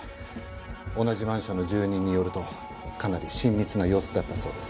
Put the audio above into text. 同じマンションの住人によるとかなり親密な様子だったそうです。